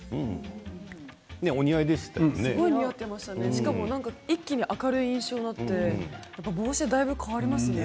しかも一気に明るい印象になって印象もだいぶ変わりますね。